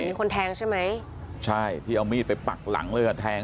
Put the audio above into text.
มีคนแทงใช่ไหมใช่ที่เอามีดไปปักหลังเลยอ่ะแทง